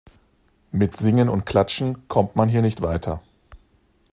Mit Singen und Klatschen kommt man hier nicht weiter.